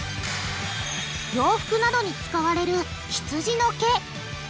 洋服などに使われるひつじの毛。